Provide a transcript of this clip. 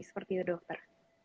seperti itu dokter